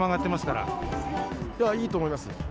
いいと思います。